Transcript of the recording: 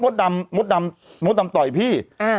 สมมุติมดดำต่อยพี่